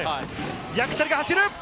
ヤクチャリが走る。